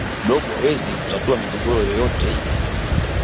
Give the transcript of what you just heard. blob hawezi kutatua migogoro yoyote hile